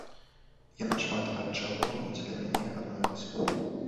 Яна шмат ад чаго дзеля мяне адмовілася.